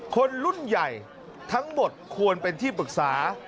คนรุ่นใหญ่ทั้งหมดควรเป็นที่ปรึกษา